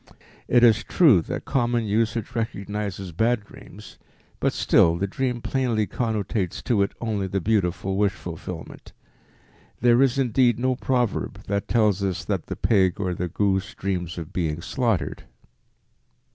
It is true that common usage recognizes "bad" dreams, but still the dream plainly connotates to it only the beautiful wish fulfillment. There is indeed no proverb that tells us that the pig or the goose dreams of being slaughtered.